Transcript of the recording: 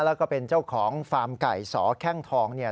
แล้วก็เป็นเจ้าของฟาร์มไก่สแข้งทองเนี่ย